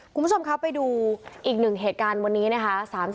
คุณผู้ชมครับไปดูอีกหนึ่งเหตุการณ์วันนี้นะคะ